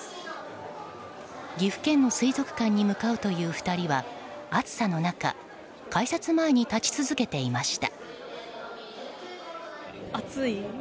岐阜県の水族館に向かうという２人は暑さの中改札前に立ち続けていました。